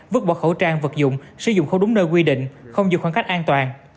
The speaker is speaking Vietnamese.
vứt bỏ khẩu trang vật dụng sử dụng không đúng nơi quy định không giữ khoảng cách an toàn